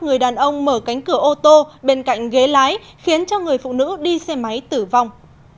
người đàn ông mở cánh cửa ô tô bên cạnh ghế lái khiến cho người phụ nữ đi xe máy tử vong